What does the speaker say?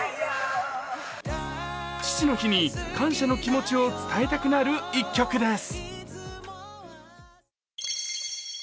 父の日に感謝の気持ちを伝えたくなる一曲です。